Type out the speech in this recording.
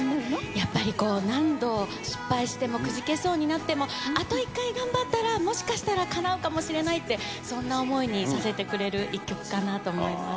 やっぱり何度失敗してもくじけそうになってもあと一回頑張ったらもしかしたらかなうかもしれないってそんな思いにさせてくれる一曲かなと思います。